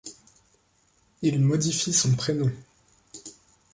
Il modifie son prénom.